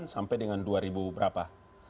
sampai dengan dua ribu berapa